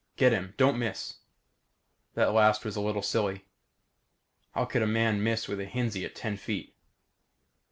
Get him. Don't miss." That last was a little silly. How could a man miss with a Hinzie at ten feet?